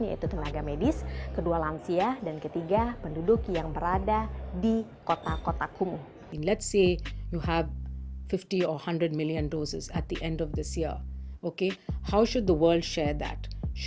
yaitu tenaga medis kedua lansia dan ketiga penduduk yang berada di kota kota kumuh